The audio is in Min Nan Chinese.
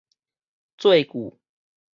做句